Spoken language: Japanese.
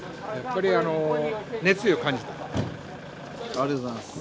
ありがとうございます。